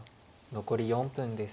残り４分です。